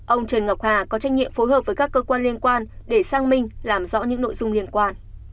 ông trần ngọc hà có trách nhiệm phối hợp với các cơ quan liên quan để sang mình làm rõ những nội dung liên quan